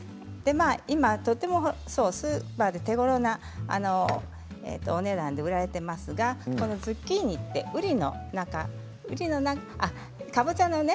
今とてもスーパーで手ごろなお値段で売られていますがズッキーニって、うりのかぼちゃのね